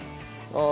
ああ。